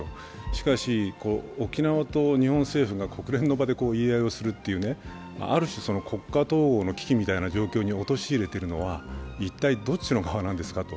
しかし、沖縄と日本政府が国連の場で言い合いをするっていうね、ある種国家統合の危機に落とし入れているのは一体どっちの側なんですかと。